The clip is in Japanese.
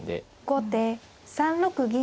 後手３六銀。